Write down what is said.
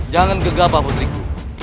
jangan gegah pak putriku